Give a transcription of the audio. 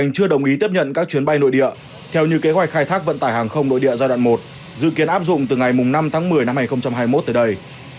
chưa đồng ý tiếp nhận các chuyến bay nội địa theo như kế hoạch khai thác vận tải hàng không nội địa giai đoạn một dự kiến áp dụng từ ngày năm tháng một mươi năm hai nghìn hai mươi một tới đây